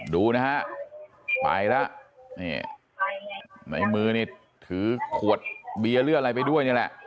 ดูนะฮะไปแล้วนี่ในมือนี่ถือขวดเบียร์หรืออะไรไปด้วยนี่แหละ